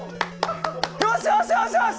よしよしよしよし！